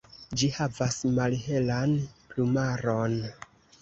Ĝi havas malhelan plumaron.